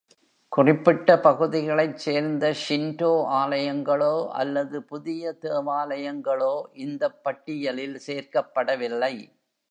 குறிப்பிட்ட பகுதிகளைச் சேர்ந்த Shinto ஆலயங்களோ அல்லது புதிய தேவாலயங்களோ இந்தப் பட்டியலில் சேர்க்கப்படவில்லை.